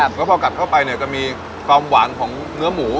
แล้วพอกัดเข้าไปเนี่ยจะมีความหวานของเนื้อหมู